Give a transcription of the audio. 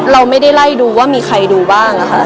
เราไม่ได้ไล่ดูว่ามีใครดูบ้างค่ะ